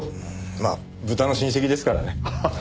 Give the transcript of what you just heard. まあ豚の親戚ですからね。